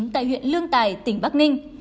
tại huyện lương tài tỉnh bắc ninh